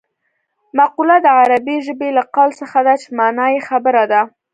مقوله د عربي ژبې له قول څخه ده چې مانا یې خبره ده